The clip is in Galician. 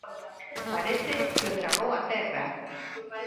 'Parece que o tragou a terra'.